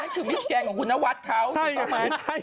คือมิสแกนของคุณนวัดเขาถูกต้องไหม